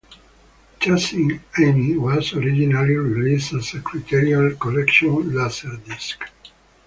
"Chasing Amy" was originally released as a Criterion Collection Laserdisc.